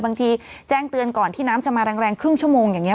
บางทีแจ้งเตือนก่อนที่น้ำจะมาแรงครึ่งชั่วโมงอย่างนี้